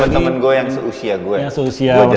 temen temen gua yang seusia gua